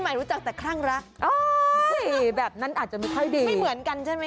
ไม่เหมือนกันใช่ไหมครับ